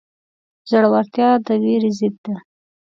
زړورتیا د وېرې ضد ده.